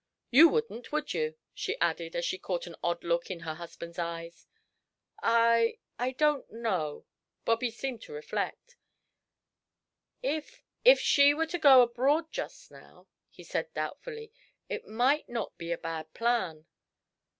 "You wouldn't, would you?" she added, as she caught an odd look in her husband's eyes. "I I don't know." Bobby seemed to reflect. "If if she were to go abroad just now," he said, doubtfully, "it might not be a bad plan."